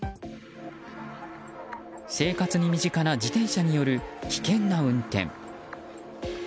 生活に身近な自転車による危険な運転。